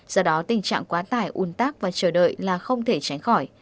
do đó tình trạng quá tải un tắc và chờ đợi là không thể tránh khỏi